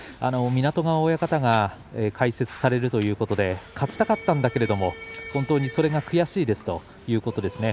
湊川親方が解説されるということで勝ちたかったんだけど本当にそれが悔しいですということですね。